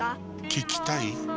聞きたい？